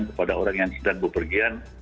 kepada orang yang sedang berpergian